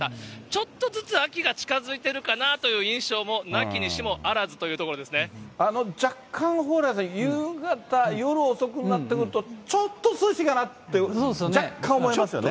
ちょっとずつ秋が近づいてるかなという印象もなきにしもあらずと若干蓬莱さん、夕方、夜遅くになってくると、ちょっと涼しいかなって、若干思いますよね。